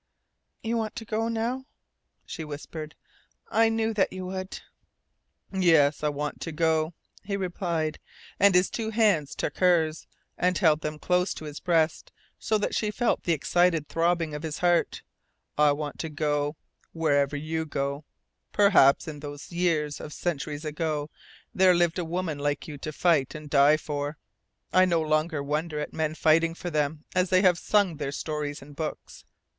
"You want to go now," she whispered. "I knew that you would." "Yes, I want to go," he replied, and his two hands took hers, and held them close to his breast, so that she felt the excited throbbing of his heart. "I want to go wherever you go. Perhaps in those years of centuries ago there lived women like you to fight and die for. I no longer wonder at men fighting for them as they have sung their stories in books.